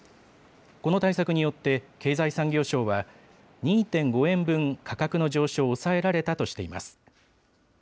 この対策によって、経済産業省は、２．５円分価格の上昇を抑えられたとしています。